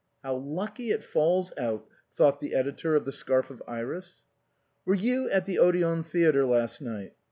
" How lucky it falls out," thought the editor of " The Scarf of Iris." "Were you at the Odeon Theatre last night?"